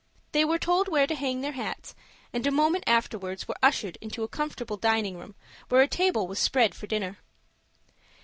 They were told where to hang their hats, and a moment afterwards were ushered into a comfortable dining room, where a table was spread for dinner.